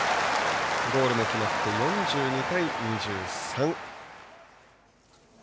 ゴールも決まって４２対２３。